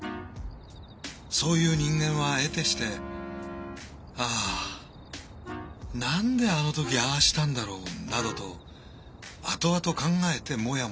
そういう人間はえてして「あぁ何であの時ああしたんだろう！」などと後々考えてモヤモヤする。